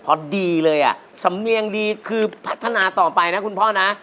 พอดีเลยอ่ะสำเนียงดีคือพัฒนาต่อไปนะคุณพ่อนะ